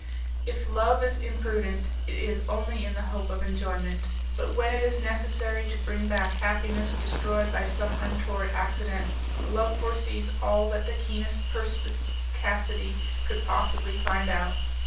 If Love is imprudent, it is only in the hope of enjoyment; but when it is necessary to bring back happiness destroyed by some untoward accident, Love foresees all that the keenest perspicacity could possibly find out.